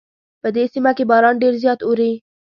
په دې سیمه کې باران ډېر زیات اوري